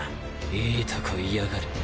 いいとこ居やがる。